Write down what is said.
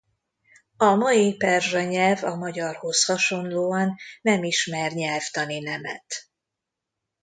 A mai perzsa nyelv a magyarhoz hasonlóan nem ismer nyelvtani nemet.